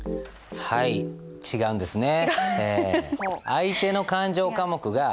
はい違うんですね。